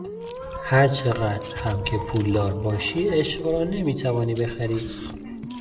هرچقدر هم که پولدار باشی عشق را نمیتوانی بخری.